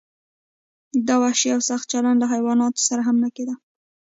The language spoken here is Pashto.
دا وحشي او سخت چلند له حیواناتو سره هم نه کیده.